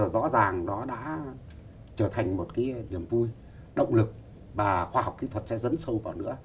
rõ ràng nó đã trở thành một cái niềm vui động lực và khoa học kỹ thuật sẽ dấn sâu vào nữa